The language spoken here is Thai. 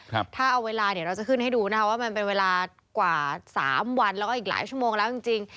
ถ้าเอาเวลาเดี๋ยวเราจะขึ้นให้ดูนะคะว่ามันเป็นเวลากว่าสามวันแล้วก็อีกหลายชั่วโมงแล้วจริงจริง